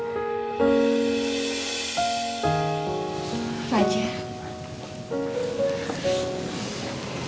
besok kita bawa arsila jalan jalan yuk